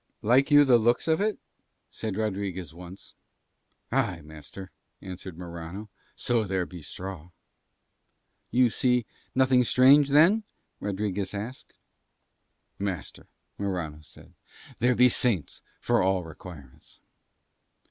"Like you the looks of it?" said Rodriguez once. "Aye, master," answered Morano, "so there be straw." "You see nothing strange there, then?" Rodriguez said. "Master," Morano said, "there be saints for all requirements."